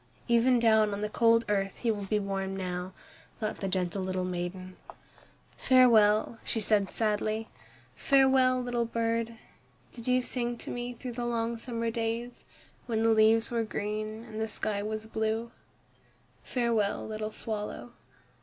"Even down on the cold earth he will be warm now," thought the gentle little maiden. "Farewell," she said sadly, "farewell, little bird! Did you sing to me through the long summer days, when the leaves were green and the sky was blue? Farewell, little swallow!"